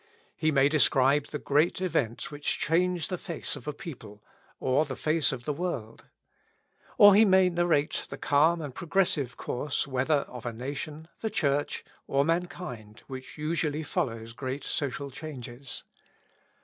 He may describe the great events which change the face of a people, or the face of the world; or he may narrate the calm and progressive course, whether of a nation, the Church, or mankind, which usually follows great social changes.